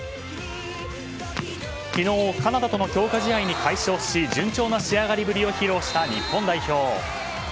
昨日、カナダとの強化試合に快勝し順調な仕上がりぶりを披露した日本代表。